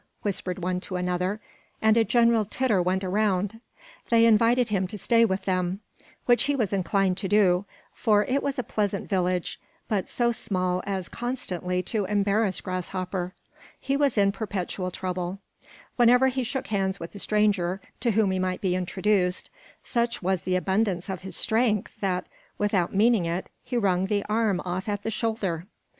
whispered one to another; and a general titter went round. They invited him to stay with them, which he was inclined to do; for it was a pleasant village, but so small as constantly to embarrass Grasshopper. He was in perpetual trouble; whenever he shook hands with a stranger, to whom he might be introduced, such was the abundance of his strength that, without meaning it he wrung his arm off at the shoulder.